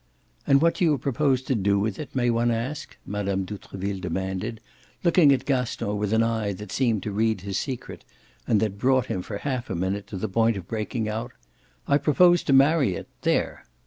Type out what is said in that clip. "And what do you propose to do with it, may one ask?" Mme. d'Outreville demanded, looking at Gaston with an eye that seemed to read his secret and that brought him for half a minute to the point of breaking out: "I propose to marry it there!"